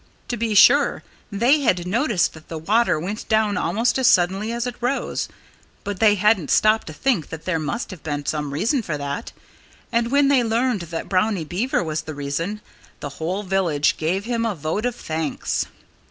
To be sure, they had noticed that the water went down almost as suddenly as it rose. But they hadn't stopped to think that there must have been some reason for that. And when they learned that Brownie Beaver was the reason, the whole village gave him a vote of thanks.